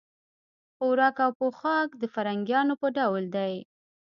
خوراک او پوښاک د فرنګیانو په ډول دی.